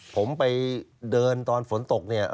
ผมไปเดินตอนฝนตกเนี่ย